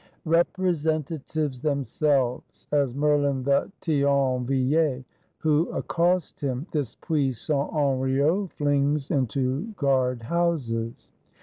Representatives themselves (as Merhn the Thionviller) , who accost him, this puissant Henriot flings into guard houses.